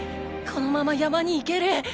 このままヤマに行ける！